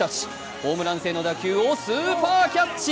ホームラン性の打球をスーパーキャッチ。